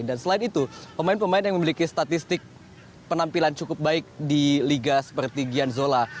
dan selain itu pemain pemain yang memiliki statistik penampilan cukup baik di liga seperti gian zola